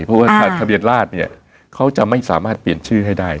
เพราะว่าทะเบียนราชเนี่ยเขาจะไม่สามารถเปลี่ยนชื่อให้ได้